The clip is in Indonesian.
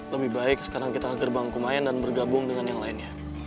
lebih baik sekarang kita gerbang kumayan dan bergabung dengan yang lainnya